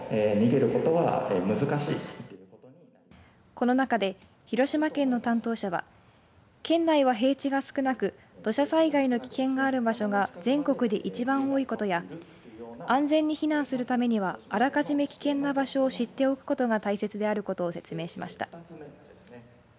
この中で広島県の担当者は県内は平地が少なく土砂災害の危険がある場所が全国で一番多いことや安全に避難するためにはあらかじめ危険な場所を知っておくことが大切であることを説明しました。